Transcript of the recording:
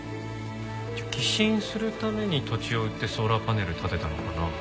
じゃあ寄進するために土地を売ってソーラーパネル立てたのかな？